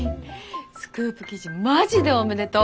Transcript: スクープ記事マジでおめでとう。